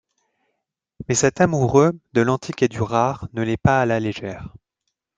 Mais cet amoureux de l’antique et du rare ne l’est pas à la légère.